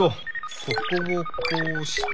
ここをこうして。